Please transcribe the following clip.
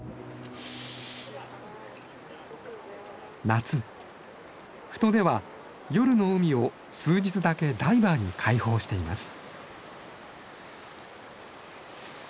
夏富戸では夜の海を数日だけダイバーに開放しています。